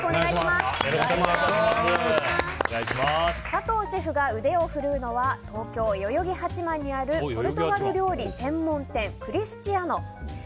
佐藤シェフが腕を振るうのは東京・代々木八幡にあるポルトガル料理専門店クリスチアノ。